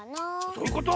そういうこと？